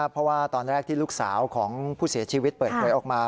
เพราะว่าตอนแรกที่ลูกสาวของผู้เสียชีวิตเปิดเผยออกมา